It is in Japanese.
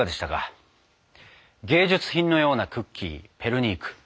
芸術品のようなクッキーペルニーク。